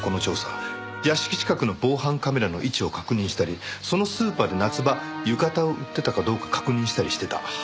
屋敷近くの防犯カメラの位置を確認したりそのスーパーで夏場浴衣を売ってたかどうか確認したりしてた。